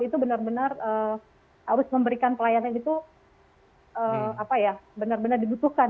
itu benar benar harus memberikan pelayanan itu benar benar dibutuhkan